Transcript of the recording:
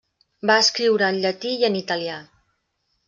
Va escriure en llatí i en italià.